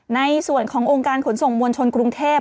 ในส่วนขององค์การขนส่งมวลชนกรุงเทพ